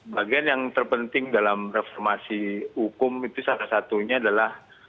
bagian yang terpenting dalam reformasi hukum itu salah satunya adalah